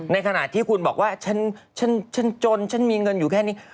ในขณะที่คุณบอกว่าฉันจนฉันมีเงินอยู่แค่นี้